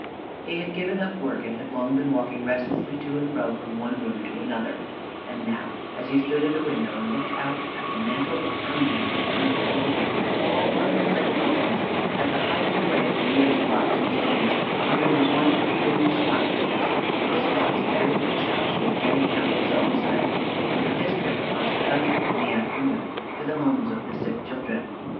He had given up work and had long been walking restlessly to and fro from one room to another; and now as he stood at a window and looked out at the mantle of ermine being woven for all unsightly things, at the hiding away of the year's blots and stains under the one new spotlessness, his thoughts buried themselves with getting out his own sleigh and with his trip across country in the afternoon to the homes of the sick children.